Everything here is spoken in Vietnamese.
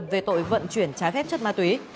về tội vận chuyển trái phép chất ma túy